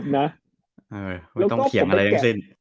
ไม่ต้องเถียงอะไรทั้งสิ้น